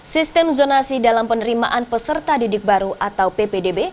sistem zonasi dalam penerimaan peserta didik baru atau ppdb